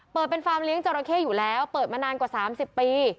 เปิดเป็นฟาร์มเลี้ยงจราเข้อยู่แล้วเปิดมานานกว่า๓๐ปี